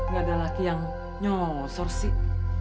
gak ada laki yang nyosor sih